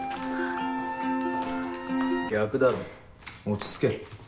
・逆だろ落ち着け。